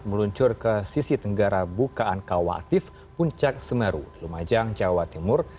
meluncur ke sisi tenggara bukaan kawah aktif puncak semeru lumajang jawa timur